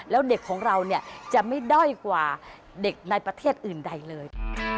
แล้วเด็กของเราเนี่ยจะไม่ด้อยกว่าเด็กในประเทศอื่นใดเลย